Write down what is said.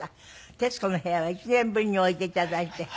『徹子の部屋』は１年ぶりにおいで頂いて。